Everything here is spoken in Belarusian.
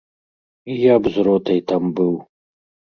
І я б з ротай там быў.